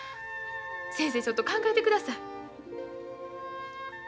先生ちょっと考えてください。